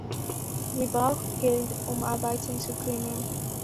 Sie braucht Geld, um arbeiten zu können.